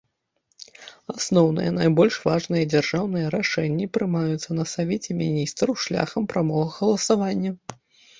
Асноўныя, найбольш важныя дзяржаўныя рашэнні прымаюцца на савеце міністраў шляхам прамога галасавання.